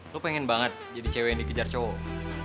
lo pengen banget jadi cewek yang dikejar cowok